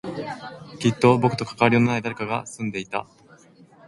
きっと僕と関わりのない誰かが住んでいた